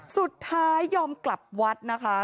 สุดท้ายยอมกลับวัดนะคะ